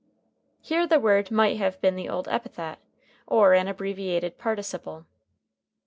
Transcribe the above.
Here the word might have been the old epithet, or an abbreviated participle.